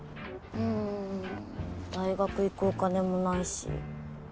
んん大学行くお金もないし。